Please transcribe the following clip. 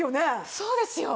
そうですよ。